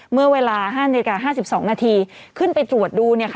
เมื่อเวลา๕นาฬิกา๕๒นาทีขึ้นไปตรวจดู